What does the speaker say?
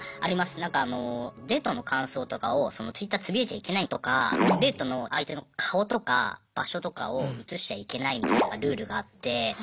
何かあのデートの感想とかをＴｗｉｔｔｅｒつぶやいちゃいけないとかデートの相手の顔とか場所とかを写しちゃいけないみたいなルールがあって。